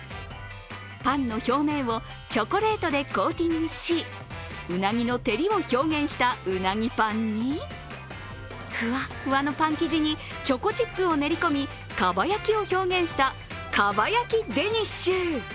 パンの表面をチョコレートでコーティングし、うなぎの照りを表現したうなぎパンにふわっふわのパン生地にチョコチップを練り込みかば焼きを表現したかば焼きデニッシュ。